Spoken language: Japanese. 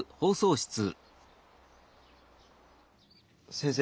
先生。